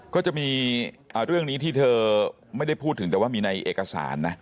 ก็จะมีเรื่องนี้ที่เธอไม่ได้พูดถึงแต่ว่ามีในเอกสารนะ